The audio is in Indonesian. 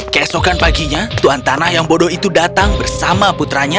keesokan paginya tuhan tanah yang bodoh itu datang bersama putranya